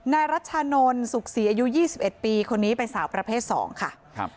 นายรัชชานนสุขศรีอายุยี่สิบเอ็ดปีคนนี้เป็นสาวประเภทสองค่ะครับ